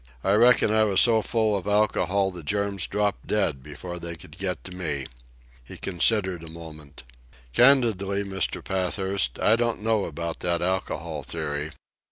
I reckon I was so full of alcohol the germs dropped dead before they could get to me." He considered a moment. "Candidly, Mr. Pathurst, I don't know about that alcohol theory.